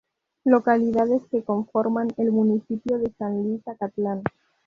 Localidades que conforman el municipio de San Luis Acatlán.